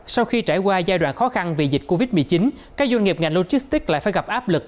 sau khi trải qua giai đoạn khó khăn vì dịch covid một mươi chín các doanh nghiệp ngành logistics lại phải gặp áp lực